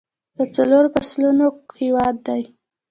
د څلورو فصلونو هیواد دی.